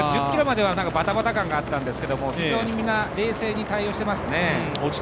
１０ｋｍまではバタバタ感があったんですけど非常に、冷静に対応してますね。